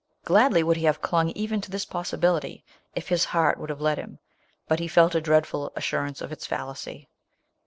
Gladly would he have clung even to this possibility, if his heart would have let him ; but he felt a dreadful assurance of its fallacy.